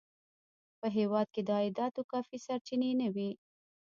په هېواد کې د عایداتو کافي سرچینې نه وې.